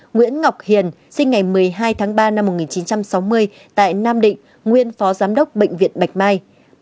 nguyễn ngọc hiền sinh ngày một mươi hai tháng ba năm một nghìn chín trăm sáu mươi tại nam định nguyên phó giám đốc bệnh viện bạch mai